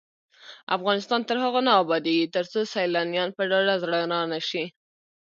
افغانستان تر هغو نه ابادیږي، ترڅو سیلانیان په ډاډه زړه را نشي.